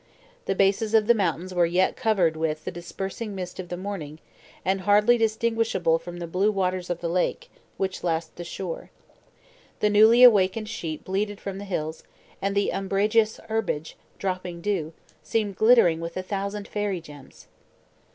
The bases of the mountains were yet covered with the dispersing mist of the morning, and hardly distinguishable from the blue waters of the lake, which lashed the shore. The newly awakened sheep bleated from the hills, and the umbrageous herbage, dropping dew, seemed glittering with a thousand fairy gems.